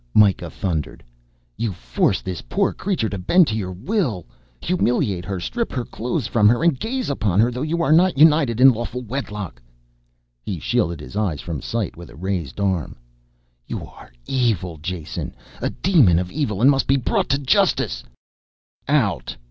Mikah thundered. "You force this poor creature to bend to your will, humiliate her, strip her clothes from her and gaze upon her though you are not united in lawful wedlock." He shielded his eyes from sight with a raised arm. "You are evil, Jason, a demon of evil and must be brought to justice " "_Out!